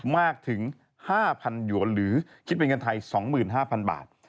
มากถึง๕๐๐๐หยวนหรือคิดเป็นเงินไทย๒๕๐๐บาท